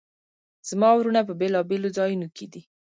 زما وروڼه په بیلابیلو ځایونو کې دي